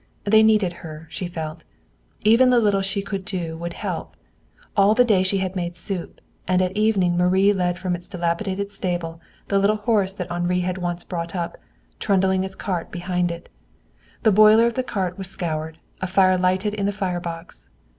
They needed her, she felt. Even the little she could do would help. All day she had made soup, and at evening Marie led from its dilapidated stable the little horse that Henri had once brought up, trundling its cart behind it. The boiler of the cart was scoured, a fire lighted in the fire box.